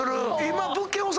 今。